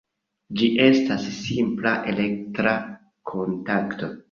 Ĝi estas simpla elektra kontakto.